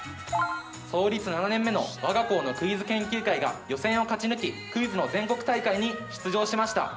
創立７年目の我が校のクイズ研究会が予選を勝ち抜き、クイズの全国大会に出場しました。